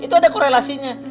itu ada korelasinya